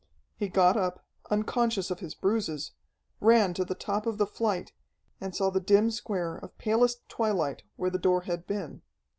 He got up, unconscious of his bruises, ran to the top of the flight, and saw the dim square of palest twilight where the door had been.